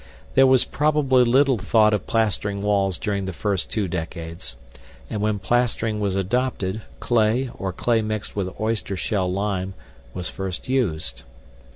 There was probably little thought of plastering walls during the first two decades, and when plastering was adopted, clay, or clay mixed with oyster shell lime, was first used.